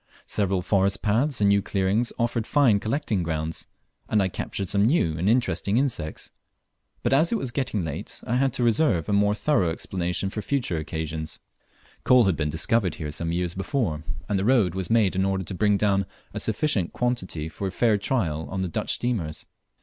Several forest paths and new clearings offered fine collecting grounds, and I captured some new and interesting insects; but as it was getting late I had to reserve a more thorough exploration for future occasions. Coal had been discovered here some years before, and the road was made in order to bring down a sufficient quantity for a fair trial on the Dutch steamers.